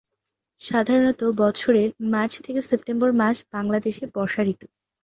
সাধারণত বছরের মার্চ থেকে সেপ্টেম্বর মাস বাংলাদেশে বর্ষা ঋতু।